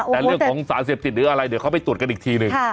แต่เรื่องของสารเสพติดหรืออะไรเดี๋ยวเขาไปตรวจกันอีกทีหนึ่ง